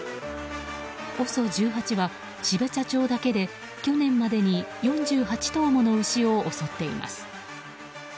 ＯＳＯ１８は、標茶町だけで去年までに４８頭もの牛を襲っています。